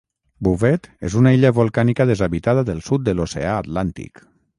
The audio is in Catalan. Bouvet és una illa volcànica deshabitada del sud de l'Oceà Atlàntic.